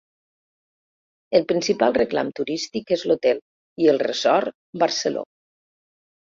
El principal reclam turístic es l'hotel i el resort Barceló.